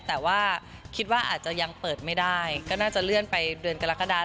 แต่ว่าคิดว่าอาจจะยังเปิดไม่ได้ก็น่าจะเลื่อนไปเดือนกรกฎา